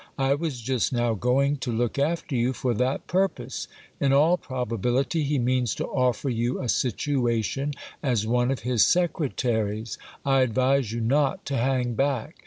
I was just now going to look after you for that purpose. In all probability he means to offer you a situation as one of his secretaries. I advise you not to hang back.